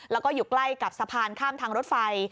แล้วก็อยู่ใกล้กับสะพานข้ามทางรถไฟ